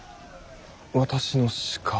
私の鹿。